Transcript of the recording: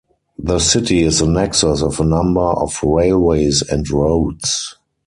The city is a nexus of a number of railways and roads.